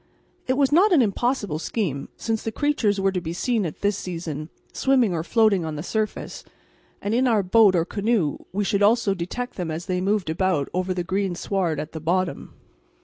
It was not an impossible scheme, since the creatures were to be seen at this season swimming or floating on the surface, and in our boat or canoe we should also detect them as they moved about over the green sward at the bottom.